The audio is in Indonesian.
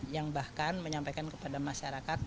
yang bahkan menyampaikan kepada masyarakat